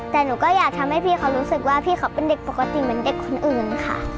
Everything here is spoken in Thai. แต่หนูก็อยากทำให้พี่เขารู้สึกว่าพี่เขาเป็นเด็กปกติเหมือนเด็กคนอื่นค่ะ